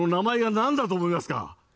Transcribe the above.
なんだと思いますか。